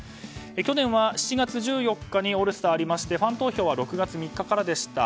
去年は７月１４日にオールスターがありましてファン投票は６月３日からでした。